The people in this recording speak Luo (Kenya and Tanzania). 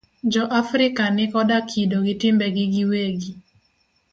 Jo Afrika ni koda kido gi timbegi gi wegi.